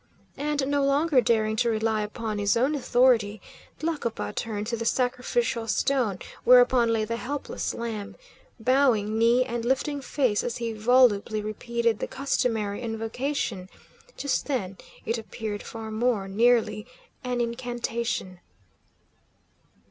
And, no longer daring to rely upon his own authority, Tlacopa turned to the sacrificial stone whereupon lay the helpless lamb, bowing knee and lifting face as he volubly repeated the customary invocation; just then it appeared far more nearly an incantation.